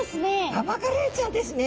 ババガレイちゃんですね。